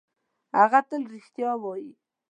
هغه تل رښتیا وايي.